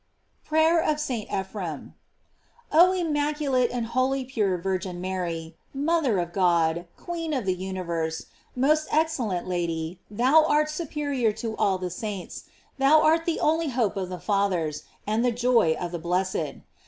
PRAYER OF ST. EPHREM. OH immaculate and wholly pure Virgin Mary! mother of God, queen of the universe, our most excellent Lady, thou art superior to all the saints, thou art the only hope of the Fathers, and the joy of the blessed.